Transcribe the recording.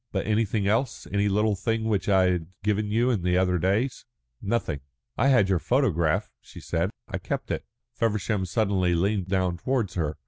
"But anything else? Any little thing which I had given you in the other days?" "Nothing." "I had your photograph," she said. "I kept it." Feversham suddenly leaned down towards her.